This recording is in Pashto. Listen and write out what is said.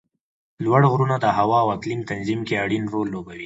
لوړ غرونه د هوا او اقلیم تنظیم کې اړین رول لوبوي